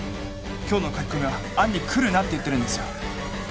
今日の書き込みは暗に「来るな」って言ってるんですよ